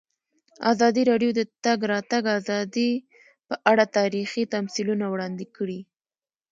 ازادي راډیو د د تګ راتګ ازادي په اړه تاریخي تمثیلونه وړاندې کړي.